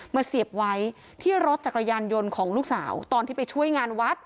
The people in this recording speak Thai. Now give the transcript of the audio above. เสียบไว้ที่รถจักรยานยนต์ของลูกสาวตอนที่ไปช่วยงานวัด